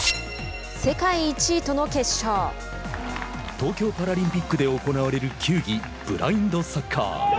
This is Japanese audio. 東京パラリンピックで行われる球技、ブラインドサッカー。